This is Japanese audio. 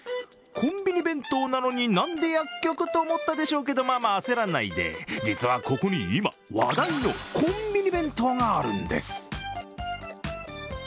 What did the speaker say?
コンビニ弁当なのに、なんで薬局と思ったでしょうけど、まあまあ焦らないで、実はここに今話題のコンビニ弁当があるんです。